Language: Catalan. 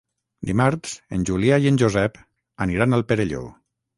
Dimarts en Julià i en Josep aniran al Perelló.